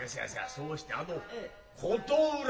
そうしてあの琴浦